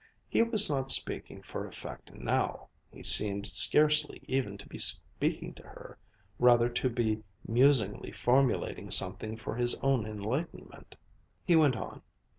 He was not speaking for effect now: he seemed scarcely even to be speaking to her, rather to be musingly formulating something for his own enlightenment. He went on.